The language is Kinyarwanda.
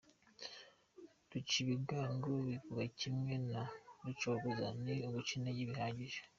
Rucibigango bivuga kimwe na Rucogoza, ni uguca intege bihagije.